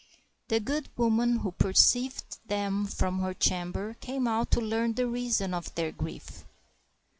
The good woman, who perceived them from her chamber, came out to learn the reason of their grief.